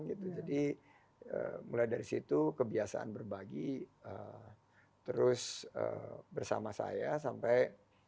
jadi mulai dari situ kebiasaan berbagi terus bersama saya sampai